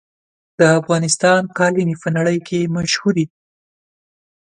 د افغانستان قالینې په نړۍ کې مشهورې دي.